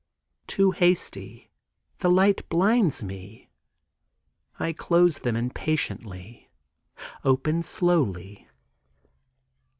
Too hasty—the light blinds me. I close them impatiently; open slowly.